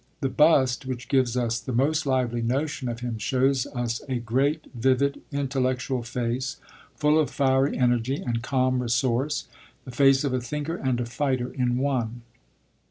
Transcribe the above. The bust which gives us the most lively notion of him shows us a great, vivid, intellectual face, full of fiery energy and calm resource, the face of a thinker and a fighter in one.